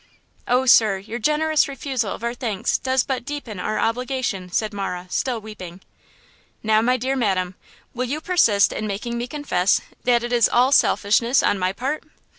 "Oh, sir, your generous refusal of our thanks does but deepen our obligation!" said Marah, still weeping. "Now, my dear madam, will you persist in making me confess that it is all selfishness on my part?